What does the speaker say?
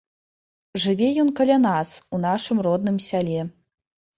Жыве ён каля нас, у нашым родным сяле.